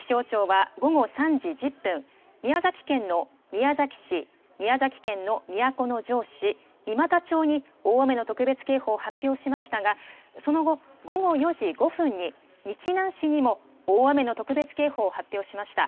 宮崎県の都城市、三股町に大雨の特別警報を発表しましたがその後、午後４時５分に日南市にも大雨の特別警報を発表しました。